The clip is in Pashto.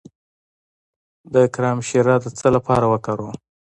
د کرم شیره د څه لپاره وکاروم؟